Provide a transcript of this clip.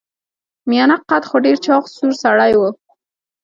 میانه قده خو ډیر چاغ سور سړی و.